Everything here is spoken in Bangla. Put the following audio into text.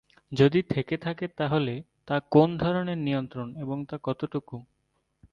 যদি থেকে থাকে তাহলে তা কোন ধরনের নিয়ন্ত্রণ এবং তা কতটুকু।